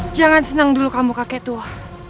jangan senang dulu kamu kakek tua